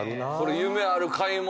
夢ある買い物